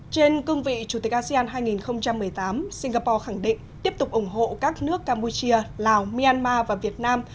trên cương vị chủ tịch asean hai nghìn một mươi tám singapore khẳng định tiếp tục ủng hộ các nước campuchia lào myanmar và việt nam